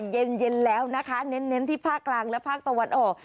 เย็นแล้วนะคะเน้นที่ภาคกลางและภาคตะวันออก